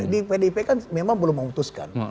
di pdip kan memang belum memutuskan